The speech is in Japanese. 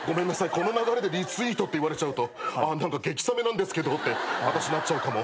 この流れでリツイートって言われちゃうと何か激冷めなんですけどってあたしなっちゃうかも。